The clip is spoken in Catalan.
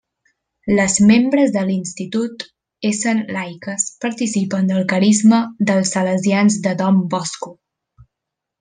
Les membres de l'institut, essent laiques, participen del carisma dels salesians de Dom Bosco.